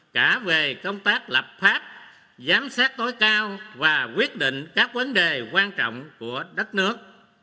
cả về công tác lập pháp giám sát tối cao và quyết định các vấn đề quan trọng của đất nước